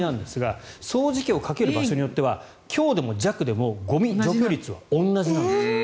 掃除機をかける場所によっては「強」でも「弱」でもゴミ除去率は同じ。